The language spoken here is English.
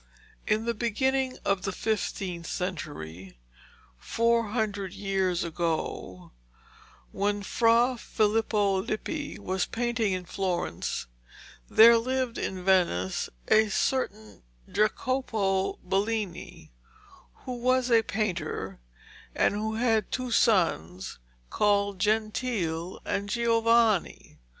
In the beginning of the fifteenth century, four hundred years ago, when Fra Filippo Lippi was painting in Florence, there lived in Venice a certain Jacopo Bellini, who was a painter, and who had two sons called Gentile and Giovanni.